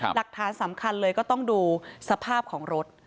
หลักฐานสำคัญเลยก็ต้องดูสภาพของรถ